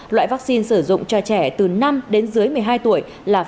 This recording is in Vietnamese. loại vaccine sử dụng cho trẻ từ năm đến dưới một mươi hai tuổi là